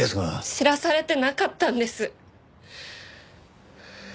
知らされてなかったんです！